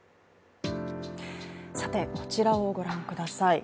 こちらをご覧ください。